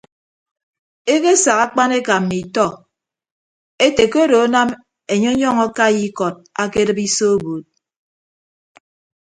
Ekesak akpaneka mmi itọ ete ke odo anam enye ọnyọñ akai ikọd akedịp iso obuud.